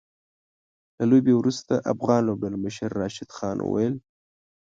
له لوبې وروسته افغان لوبډلمشر راشد خان وويل